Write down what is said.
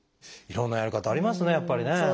いろんなやり方ありますねやっぱりね。